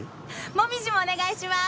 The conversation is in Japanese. もみじもお願いします。